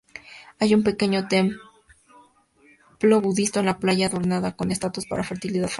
Hay un pequeño templo budista en la playa adornada con estatuas para fertilidad fálica.